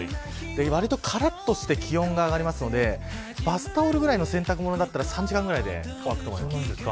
わりと、からっとして気温が上がるのでバスタオルぐらいの洗濯物だったら３時間ぐらいで乾くと思います。